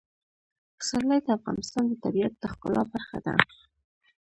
پسرلی د افغانستان د طبیعت د ښکلا برخه ده.